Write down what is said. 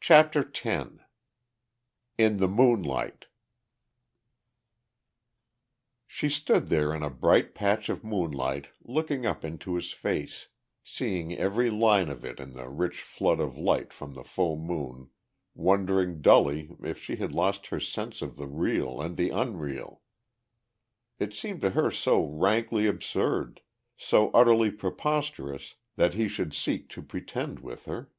CHAPTER X IN THE MOONLIGHT She stood there in a bright patch of moonlight looking up into his face, seeing every line of it in the rich flood of light from the full moon, wondering dully if she had lost her sense of the real and the unreal. It seemed to her so rankly absurd, so utterly preposterous that he should seek to pretend with her.